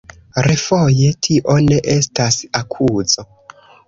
Refoje, tio ne estas akuzo.